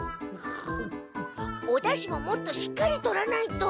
おだしももっとしっかりとらないと！